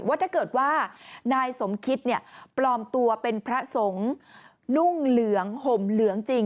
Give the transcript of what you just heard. ว่าถ้าเกิดว่านายสมคิตปลอมตัวเป็นพระสงฆ์นุ่งเหลืองห่มเหลืองจริง